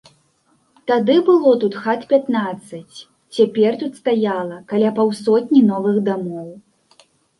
Тады было тут хат пятнаццаць, цяпер тут стаяла каля паўсотні новых дамоў.